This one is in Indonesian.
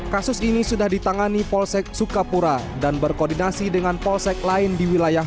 kasus ini sudah ditangani polsek sukapura dan berkoordinasi dengan polsek lain di wilayah